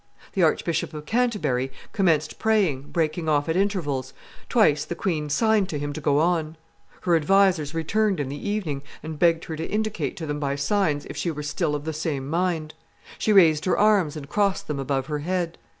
The Archbishop of Canterbury commenced praying, breaking off at intervals; twice the queen signed to him to go on. Her advisers returned in the evening, and begged her to indicate to them by signs if she were still of the same mind; she raised her arms and crossed them above her head.